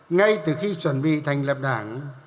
ngay từ khi chuẩn bị thành lập đảng